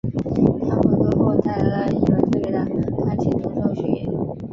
她回归后带来了一轮特别的钢琴独奏巡演。